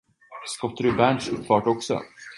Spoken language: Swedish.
Skottar du Berndts uppfart också?